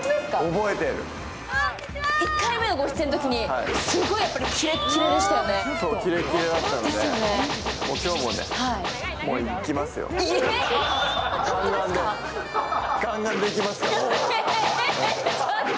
１回目のご出演のときに、すごいキレッキレでしたよね。